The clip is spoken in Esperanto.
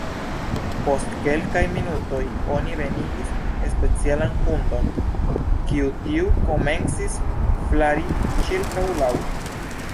Post kelkaj minutoj oni venigis specialan hundon, kiu tuj komencis flari ĉirkaŭ la aŭto.